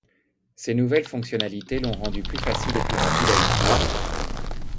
Ses nouvelles fonctionnalités l'ont rendu plus facile et plus rapide à utiliser.